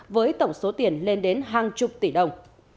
với tổng số tiền lên đến hàng chục tỷ đồng